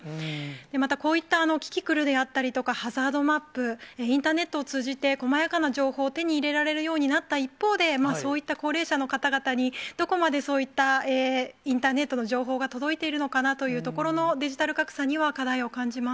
またこういったキキクルであったりとか、ハザードマップ、インターネットを通じて、細やかな情報を手に入れられるようになった一方で、そういった高齢者の方々に、どこまでそういったインターネットの情報が届いているのかなというところのデジタル格差には課題を感じます。